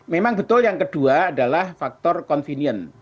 memang betul yang kedua adalah faktor convenient